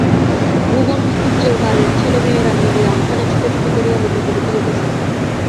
ভুবন মুখুজ্যের বাড়ির ছেলেমেয়েরা মিলিয়া উঠানে ছুটাছুটি করিয়া লুকোচুরি খেলিতেছে।